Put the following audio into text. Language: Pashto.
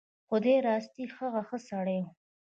خدای راستي هغه ښه سړی و.